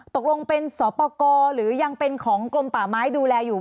ตกลงเป็นสอปกรหรือยังเป็นของกรมป่าไม้ดูแลอยู่